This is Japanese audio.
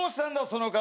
その顔。